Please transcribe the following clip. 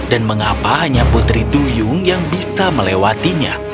dan mengapa hanya putri duyung yang bisa melewatinya